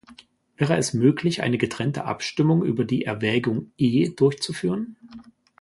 Wäre es möglich, eine getrennte Abstimmung über die Erwägung E durchzuführen?